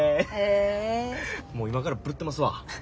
もう今からブルッてますわ。